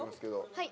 はい。